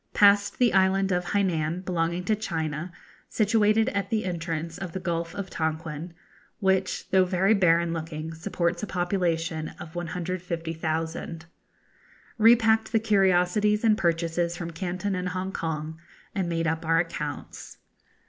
Passed the island of Hainan, belonging to China, situated at the entrance of the Gulf of Tonquin, which, though very barren looking, supports a population of 150,000. Repacked the curiosities and purchases from Canton and Hongkong, and made up our accounts.